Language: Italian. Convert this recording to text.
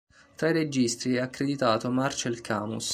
Tra i registi è accreditato Marcel Camus.